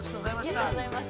◆ありがとうございます。